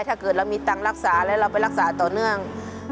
ถ้าเกิดเรามีตังค์รักษาแล้วเราไปรักษาต่อเนื่อง